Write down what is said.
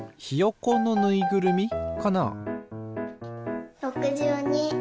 ひよこのぬいぐるみかな？